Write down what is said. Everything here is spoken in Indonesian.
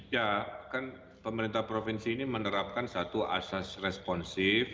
ya kan pemerintah provinsi ini menerapkan satu asas responsif